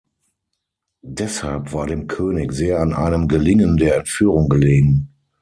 Deshalb war dem König sehr an einem Gelingen der Entführung gelegen.